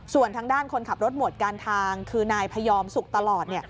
ส่วนทางด้านคนขับรถหมวดการทางคือนายพยอมสุขตลอด